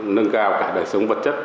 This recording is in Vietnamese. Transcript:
nâng cao cả đời sống vật chất